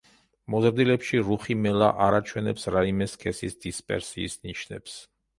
მოზრდილებში რუხი მელა არ აჩვენებს რაიმე სქესის დისპერსიის ნიშნებს.